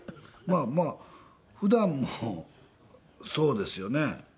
まあまあ普段もそうですよね。